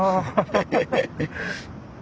ハハハッ。